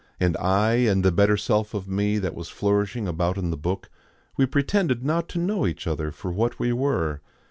And I and the better self of me that was flourishing about in the book we pretended not to know each other for what we were.